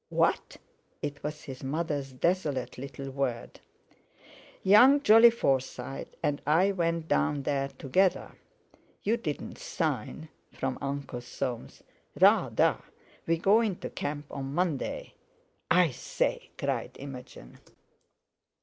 "What!" It was his mother's desolate little word. "Young Jolly Forsyte and I went down there together." "You didn't sign?" from Uncle Soames. "Rather! We go into camp on Monday." "I say!" cried Imogen.